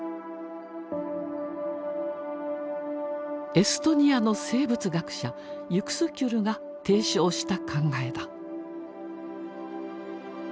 エストニアの生物学者ユクスキュルが提唱した考えだ。